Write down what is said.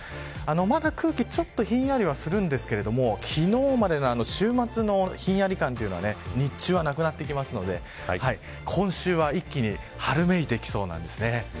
まだ空気、ちょっとひんやりはするんですけれども昨日までの週末のひんやり感というのは日中は、なくなってくるので今週は一気に春めいてきそうなんですね。